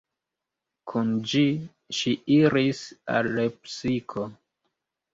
Kun ĝi ŝi iris al Lepsiko.